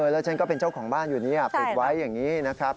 แล้วฉันก็เป็นเจ้าของบ้านอยู่นี่ปิดไว้อย่างนี้นะครับ